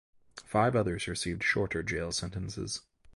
Five others received shorter jail sentences.